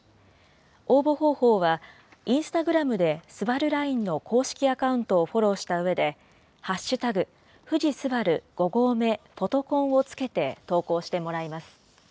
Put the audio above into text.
応募方法は、インスタグラムでスバルラインの公式アカウントをフォローしたうえで、＃富士スバル五合目フォトコンをつけて投稿してもらいます。